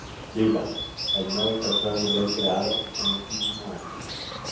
Liga, el nuevo tercer nivel creado en ese mismo año.